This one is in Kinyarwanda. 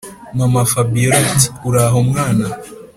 mama-fabiora ati”uraho mwana